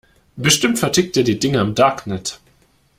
Bestimmt vertickt er die Dinger im Darknet.